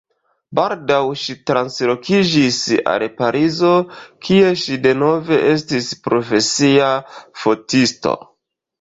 Baldaŭ ŝi translokiĝis al Parizo, kie ŝi denove estis profesia fotisto.